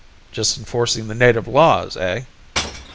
"Just enforcing the native laws, eh?"